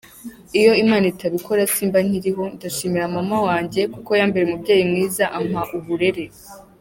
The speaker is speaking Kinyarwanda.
Iyo Imana itabikora samba nkiriho, ndashimira mama wanjye kuko yambereye umubyeyi mwiza ampa uburere”.